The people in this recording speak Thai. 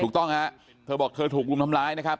ถูกต้องฮะเธอบอกเธอถูกรุมทำร้ายนะครับ